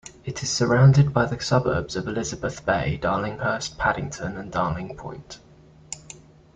It is surrounded by the suburbs of Elizabeth Bay, Darlinghurst, Paddington, and Darling Point.